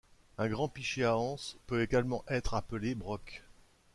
Un grand pichet à anse peut également être appelé broc.